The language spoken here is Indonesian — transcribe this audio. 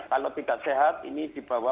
kalau tidak sehat ini dibawa